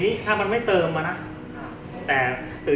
มันประกอบกันแต่ว่าอย่างนี้แห่งที่